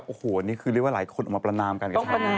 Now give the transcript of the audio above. โอ้โฮนี้คือเรียกว่าหลายคนออกมาประนามกัน